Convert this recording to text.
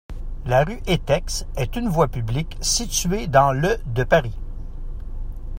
La rue Étex est une voie publique située dans le de Paris.